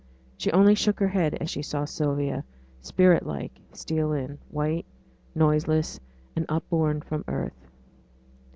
She only shook her head as she saw Sylvia, spirit like, steal in white, noiseless, and upborne from earth.